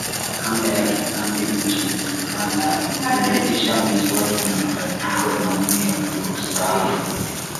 kama ya kikatiba nchini ufaransa imepitisha muswada wa mabadiliko ya umri wa kustaafu